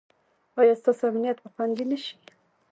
ایا ستاسو امنیت به خوندي نه شي؟